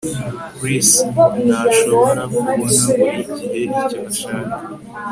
Chris ntashobora kubona buri gihe icyo ashaka